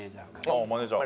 あっマネジャー。